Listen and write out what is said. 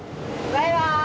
バイバーイ！